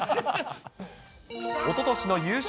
おととしの優勝